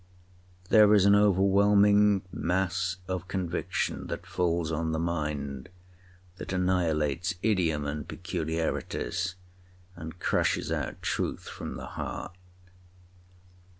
There is an overwhelming mass of conviction that falls on the mind, that annihilates idiom and peculiarities, and crushes out truth from the heart.